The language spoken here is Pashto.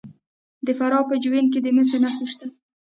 د فراه په جوین کې د مسو نښې شته.